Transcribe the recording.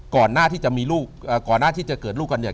ก่อนหน้าที่จะเกิดลูกกันเนี่ย